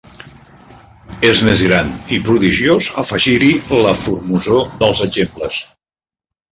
És més gran i prodigiós afegir-hi la formosor dels exemples